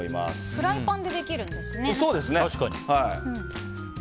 フライパンでできるんですね。